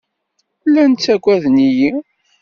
Llan ttagaden-iyi.